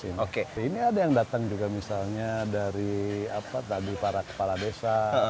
ini ada yang datang juga misalnya dari para kepala desa